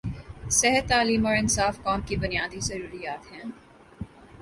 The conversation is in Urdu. صحت، تعلیم اور انصاف قوم کی بنیادی ضروریات ہیں۔